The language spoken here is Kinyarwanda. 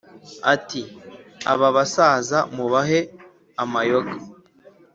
Ati: «aba basaza mubahe amayoga,